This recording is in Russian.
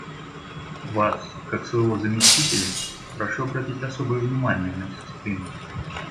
Вас, как своего заместителя, прошу обратить особое внимание на дисциплину.